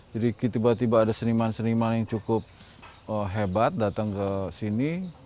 jadi tiba tiba ada seniman seniman yang cukup hebat datang ke sini